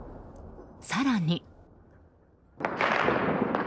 更に。